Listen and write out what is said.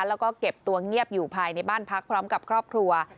แล้วก็เก็บตัวเงียบอยู่ภายในบ้านพักพร้อมกับครอบครัว